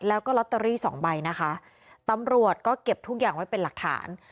แล้วก็ลอตเตอรี่สองใบนะคะตำรวจก็เก็บทุกอย่างไว้เป็นหลักฐาน